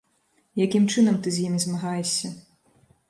Якім чынам ты з імі змагаешся?